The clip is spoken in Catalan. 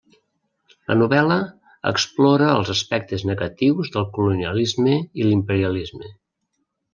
La novel·la explora els aspectes negatius del colonialisme i l'imperialisme.